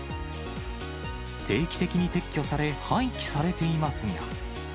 定期的に撤去され、廃棄されていますが。